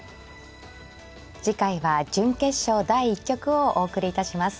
次回は準決勝第１局をお送りいたします。